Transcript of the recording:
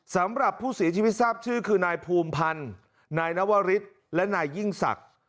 สำหรับผู้เสียชีวิตทราบชื่อคือนายภูมิพันธ์นายนวริสและนายยิ่งศักดิ์